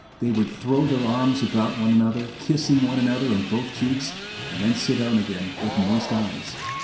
They would throw their arms about one another, kissing one another on both cheeks, and then sit down again, with moist eyes.